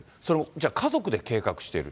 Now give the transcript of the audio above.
じゃあ、家族で計画している。